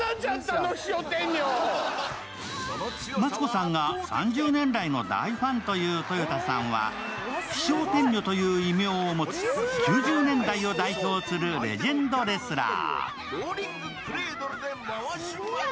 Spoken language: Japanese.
マツコさんが３０年来の大ファンという豊田さんは飛翔天女という異名を持つ９０年代を代表するレジェンドレスラー。